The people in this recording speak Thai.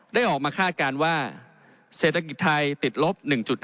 ได้ออกมาคาดการณ์ว่าเศรษฐกิจไทยติดลบ๑๕